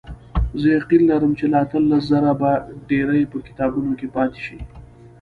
زه یقین لرم چې له اتلس زره به ډېرې په کتابونو کې پاتې شي.